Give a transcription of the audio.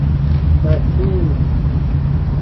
متیلف